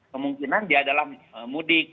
kemungkinan dia dalam mudik